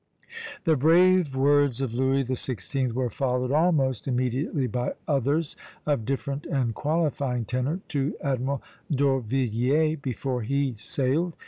" The brave words of Louis XVI. were followed almost immediately by others, of different and qualifying tenor, to Admiral d'Orvilliers before he sailed.